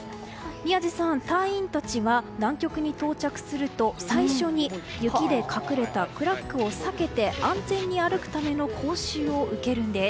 宮司さん、隊員たちは南極に到着すると最初に雪で隠れたクラックを避けて安全に歩くための講習を受けるんです。